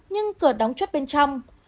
nhưng cửa đóng chút bên trong